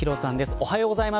おはようございます。